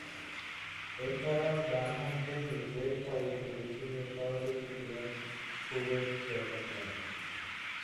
এছাড়াও, ডানহাতে নিচেরসারিতে ব্যাটিংয়ে পারদর্শী ছিলেন হোরেস চ্যাপম্যান।